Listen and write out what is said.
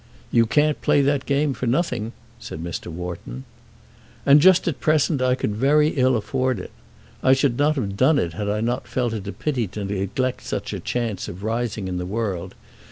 "You can't play that game for nothing," said Mr. Wharton. "And just at present I could very ill afford it. I should not have done it had I not felt it a pity to neglect such a chance of rising in the world.